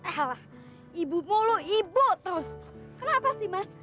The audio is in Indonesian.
eh lah ibu mulu ibu terus kenapa sih mas